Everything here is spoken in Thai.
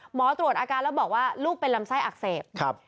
หมอตรวจอาการแล้วบอกว่าลูกเป็นลำไส้อักเสบ